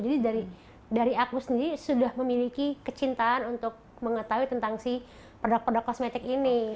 jadi dari aku sendiri sudah memiliki kecintaan untuk mengetahui tentang si produk produk kosmetik ini